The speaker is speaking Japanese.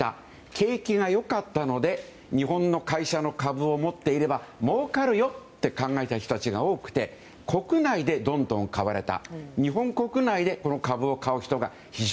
景気が良かったので日本の会社の株を持っていればもうかるよって考えた人たちが多くて国内でどんどん買われた。